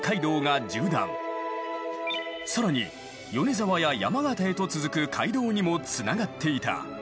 更に米沢や山形へと続く街道にもつながっていた。